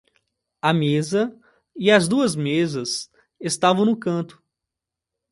A mesa e as duas mesas estavam no canto.